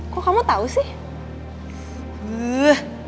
kok kamu tau sih